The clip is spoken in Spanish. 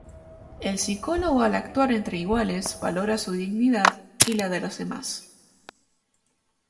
El Psicólogo al actuar entre iguales valora su dignidad y la de los demás.